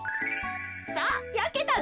さあやけたで。